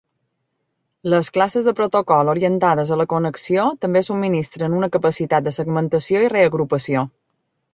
Les classes de protocol orientades a la connexió també subministren una capacitat de segmentació i reagrupació.